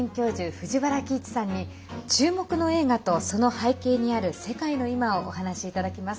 藤原帰一さんに注目の映画と、その背景にある世界の今をお話いただきます。